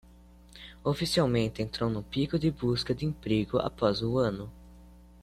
Oficialmente entrou no pico de busca de emprego após o ano